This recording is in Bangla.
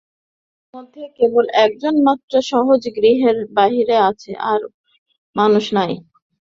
মানুষের মধ্যে কেবল একজন মাত্র আজ গৃহের বাহিরে আছে–আর মানুষ নাই।